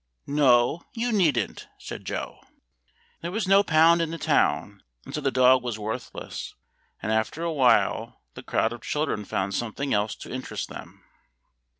"No, you needn't," said Joe. There was no pound in the town, and so the dog was worthless, and after a while the crowd of children found something else to interest them.